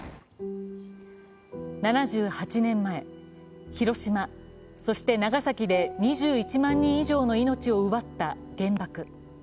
７８年前、広島、そして長崎で２１万人以上の命を奪った原爆。